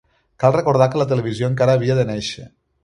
Cal recordar que la televisió encara havia de néixer.